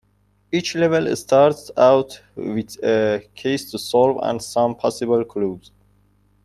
Each level starts out with a case to solve and some possible clues.